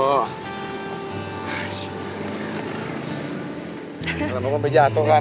kalau mau bejatuh kan